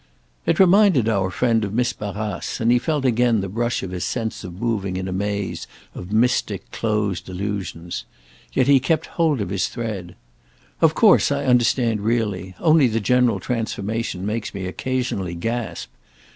It reminded our friend of Miss Barrace, and he felt again the brush of his sense of moving in a maze of mystic closed allusions. Yet he kept hold of his thread. "Of course I understand really; only the general transformation makes me occasionally gasp.